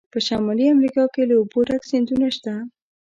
په شمالي امریکا کې له اوبو ډک سیندونه شته.